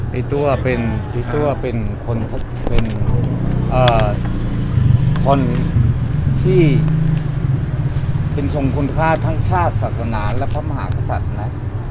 พี่เจ้าเป็นคนที่เป็นทรงคุณค่าทั้งชาติศาสนาและพระมหากษัตริย์นะ